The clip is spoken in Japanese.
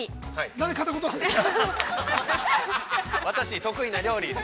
◆なんで片言なんですか。